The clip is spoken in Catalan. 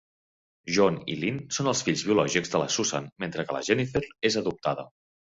John i Lynn són els fills biològics de la Susan, mentre que la Jennifer és adoptada.